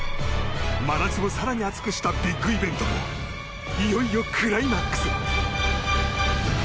真夏を更に暑くしたビッグイベントもいよいよクライマックス。